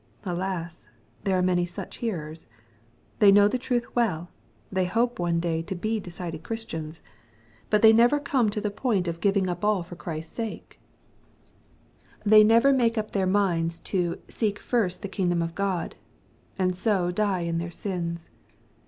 Alas ! there are many 8Uch hearers I They know the truth well. They hope one day to be decided Christians. • But they never come V 144 EXPOSITORT THOUGHTS. to the point of giving up all for Christ's sake. The; never make up their ininds to '' seek first the kingdom of God," — and so die in their sins.